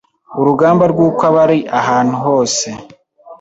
urugamba rw’uko aba ari ahantu hose,